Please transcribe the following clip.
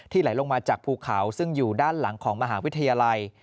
ไหลลงมาจากภูเขาซึ่งอยู่ด้านหลังของมหาวิทยาลัย